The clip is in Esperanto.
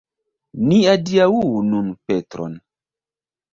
Ni adiaŭu nun Petron.